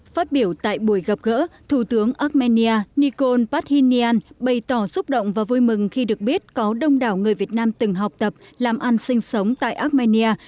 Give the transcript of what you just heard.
phát biểu tại buổi gặp gỡ thủ tướng armenia nikol pashinyan bày tỏ xúc động và vui mừng khi được biết có đông đảo người việt nam từng học tập làm ăn sinh sống tại armenia